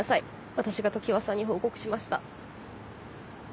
私が常葉さんに報告しました。